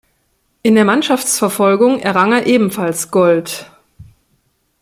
In der Mannschaftsverfolgung errang er ebenfalls Gold.